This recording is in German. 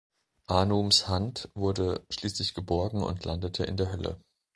Anums Hand wurde schließlich geborgen und landete in der Hölle.